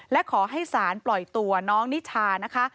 และขอให้สารปล่อยตัวน้องนิชานะคะ